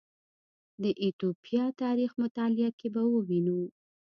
د ایتوپیا تاریخ مطالعه کې به ووینو